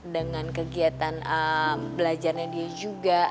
dengan kegiatan belajarnya dia juga